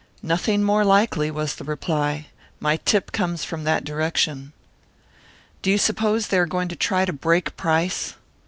"Nothing more likely," was the reply. "My tip comes from that direction." "Do you suppose they are going to try to break Price?"